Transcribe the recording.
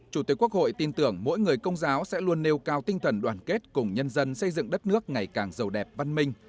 chủ tịch quốc hội tin tưởng mỗi người công giáo sẽ luôn nêu cao tinh thần đoàn kết cùng nhân dân xây dựng đất nước ngày càng giàu đẹp văn minh